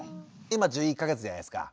今１１か月じゃないですか。